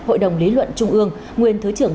hội đồng lý luận trung ương nguyên thứ trưởng